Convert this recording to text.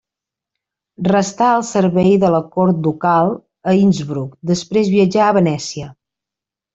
Restà al servei de la cort ducal a Innsbruck; després viatjà a Venècia.